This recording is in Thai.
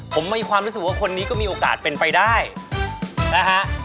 ผมมีความรู้สึกว่าคนนี้ก็มีโอกาสเป็นไปได้นะฮะ